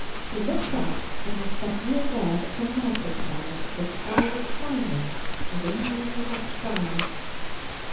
She looked up, and was suddenly aware that the night had come, and that the sky was shining with innumerable stars.